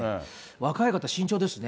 若い方、慎重ですね。